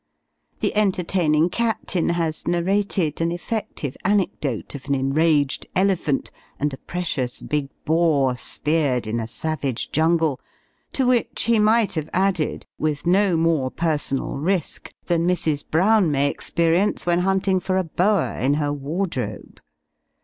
The entertaining Captain has narrated an effective anecdote of an enraged elephant, and a precious big boar speared in a savage jungle to which he might have added, with no more personal risk than Mrs. Brown may experience when hunting for a boa in her wardrobe.